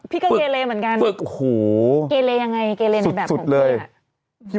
พี่ก็เกลเหมือนกัน